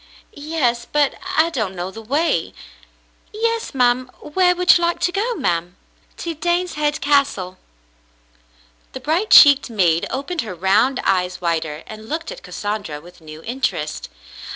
"Yes, but I don't know the way." "Yes, ma'm. Where would you like to go, ma'm?" "To Daneshead Castle." The bright cheeked maid opened her round eyes wider and looked at Cassandra with new interest.